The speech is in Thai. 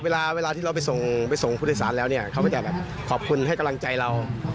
เวลาที่เราไปส่งไปส่งผู้โดยสารแล้วเนี่ยเขาก็จะแบบขอบคุณให้กำลังใจเรา